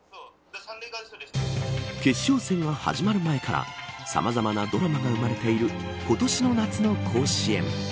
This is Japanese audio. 決勝戦が始まる前からさまざまなドラマが生まれている今年の夏の甲子園。